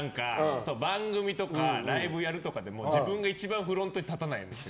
番組とかライブやるとかでも自分が一番フロントに立たないんですよ。